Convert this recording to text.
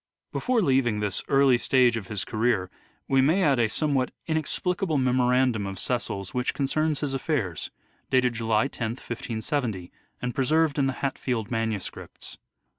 Before leaving this early stage of his career we may Oxford and add a somewhat inexplicable memorandum of Cecil's ay* which concerns his affairs, dated July loth, 1570, and preserved in the Hatfield manuscripts.